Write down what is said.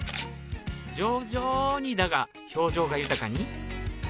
徐々にだが表情が豊かに